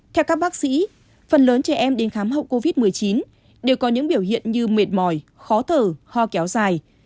theo các bác sĩ phần lớn trẻ em đến khám hậu covid một mươi chín đều có những biểu hiện như mệt mỏi khó thở ho kéo dài